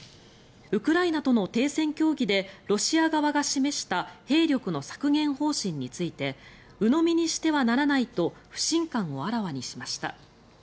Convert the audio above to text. ウクライナとの停戦協議でロシア側が示した兵力の削減方針についてうのみにしてはならないと不信感をあらわにしました。